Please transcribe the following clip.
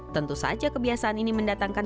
tentu saja kebiasaan ini mendatangkan